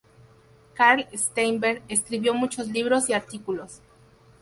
Karl Steinberg escribió muchos libros y artículos.